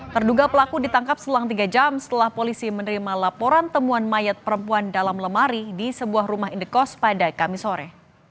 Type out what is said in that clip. terduga pelaku ditangkap selang tiga jam setelah polisi menerima laporan temuan mayat perempuan dalam lemari di sebuah rumah indekos pada kamis sore